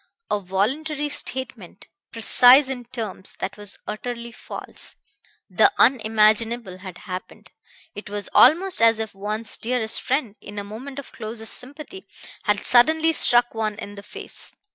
A voluntary statement, precise in terms, that was utterly false. The unimaginable had happened. It was almost as if one's dearest friend, in a moment of closest sympathy, had suddenly struck one in the face.